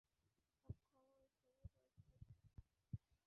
সব খবরে ছড়িয়ে পড়েছিল এটা।